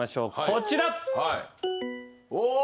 こちら。